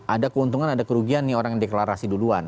ada keuntungan ada kerugian nih orang yang deklarasi duluan